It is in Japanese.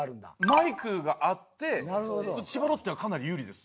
マイクがあって千葉ロッテはかなり有利です。